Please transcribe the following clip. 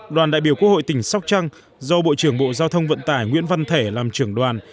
đoàn đại biểu quốc hội tỉnh sóc trăng do bộ trưởng bộ giao thông vận tải nguyễn văn thể làm trưởng đoàn